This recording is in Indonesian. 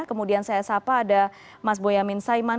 kemudian saya sapa ada mas boyamin saiman